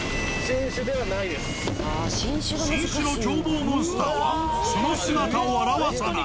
新種の狂暴モンスターはその姿を現さない。